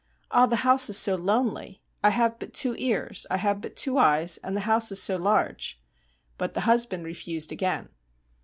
Ah! the house is so lonely! I have but two ears, I have but two eyes, and the house is so large.' But the husband refused again.